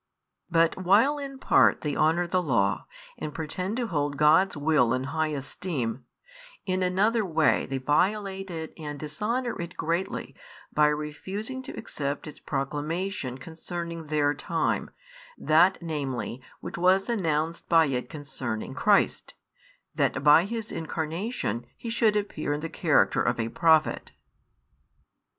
But while in part they honour the law, and pretend to hold God's will in high esteem, in another way they violate it and dishonour it |46 greatly by refusing to accept its proclamation concerning their time, that namely which was announced by it concerning Christ, that by His Incarnation He should appear in the character of a Prophet.